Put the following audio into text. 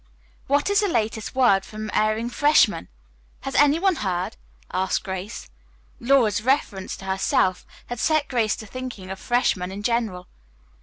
"What is the latest word from erring freshmen? Has any one heard?" asked Grace. Laura's reference to herself had set Grace to thinking of freshmen in general.